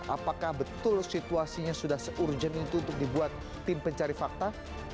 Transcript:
apakah betul situasinya sudah se urgent itu untuk dibuat tim pencari fakta